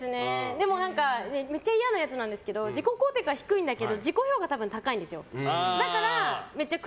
でも何かめちゃいやなやつなんですけど自己肯定低いけど自己評価は高いんです。